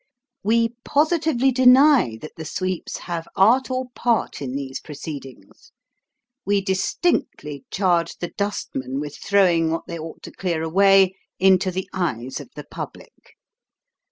We positively deny that the sweeps have art or part in these proceedings. We distinctly charge the dustmen with throwing what they ought to clear away, into the eyes of the public.